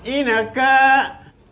ini dia kak